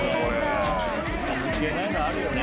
抜けないのあるよね。